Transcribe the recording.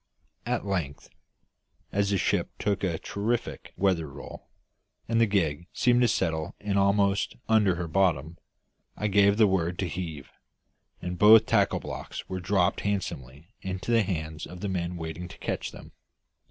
At length, as the ship took a terrific weather roll, and the gig seemed to settle in almost under her bottom, I gave the word to heave, and both tackle blocks were dropped handsomely into the hands of the men waiting to catch them.